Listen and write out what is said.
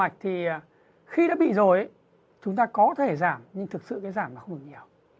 chúng ta có thể giảm nhưng thực sự giảm không được nhiều